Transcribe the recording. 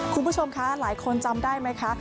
คุณผู้ชมคะหลายคนจำได้ไหมคะ